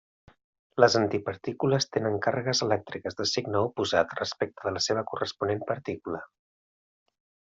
Les antipartícules tenen càrregues elèctriques de signe oposat respecte de la seva corresponent partícula.